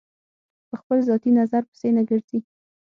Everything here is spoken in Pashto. په خپل ذاتي نظر پسې نه ګرځي.